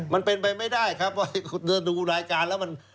มันเป็นไปไม่ได้ครับว่าดูรายการแล้วมัน